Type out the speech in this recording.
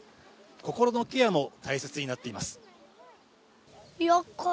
心のケアも大切になっています。